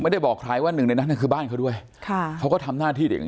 ไม่ได้บอกใครว่าหนึ่งในนั้นคือบ้านเขาด้วยค่ะเขาก็ทำหน้าที่เด็ก